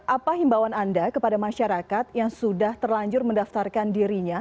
apa himbauan anda kepada masyarakat yang sudah terlanjur mendaftarkan dirinya